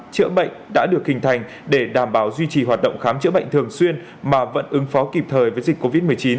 chữa bệnh đã được hình thành để đảm bảo duy trì hoạt động khám chữa bệnh thường xuyên mà vẫn ứng phó kịp thời với dịch covid một mươi chín